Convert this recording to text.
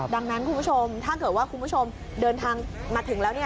ดังนั้นคุณผู้ชมถ้าเกิดว่าคุณผู้ชมเดินทางมาถึงแล้ว